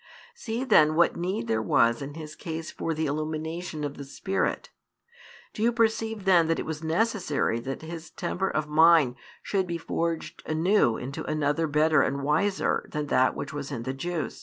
See then what need there was in his case for the illumination of the Spirit. Do you perceive then that it was necessary that his temper of mind should be forged anew into another better and wiser than that which was in the Jews?